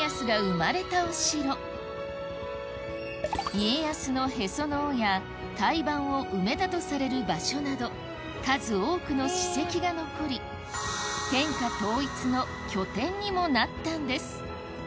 家康のへその緒や胎盤を埋めたとされる場所など数多くの史跡が残りにもなったんです